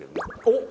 おっ！